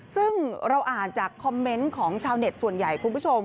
ซึ่งเราอ่านจากคอมเมนต์ของชาวเน็ตส่วนใหญ่คุณผู้ชม